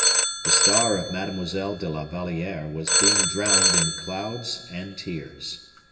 The star of Mademoiselle de la Valliere was being drowned in clouds and tears.